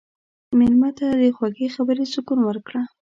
مېلمه ته د خوږې خبرې سکون ورکړه.